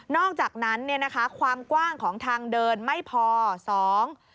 นอกจากนั้นความกว้างของทางเดินไม่พอสอง